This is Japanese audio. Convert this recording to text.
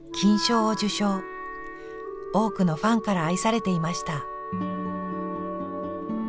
多くのファンから愛されていました。